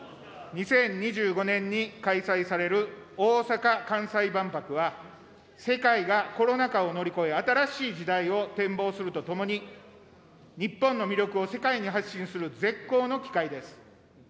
２０２５年に開催される大阪・関西万博は、世界がコロナ禍を乗り越え、新しい時代を展望するとともに、日本の魅力を世界に発信する絶好の機会です。